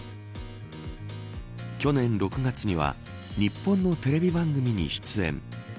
去年６月には日本のテレビ番組に出演。